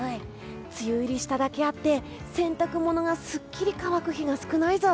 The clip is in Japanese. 梅雨入りしただけあって、洗濯物がすっきり乾く日が少ないぞ。